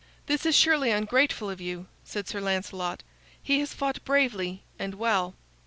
"This is surely ungrateful of you," said Sir Lancelot. "He has fought bravely and well."